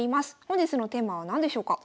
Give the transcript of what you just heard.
本日のテーマは何でしょうか？